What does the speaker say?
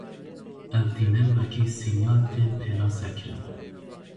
Ev dîmen wekî sînyal tên pênasekirin.